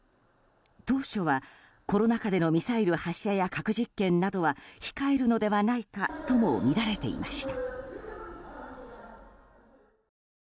当初はコロナ禍でのミサイル発射や核実験などは控えるのではないかともみられていました。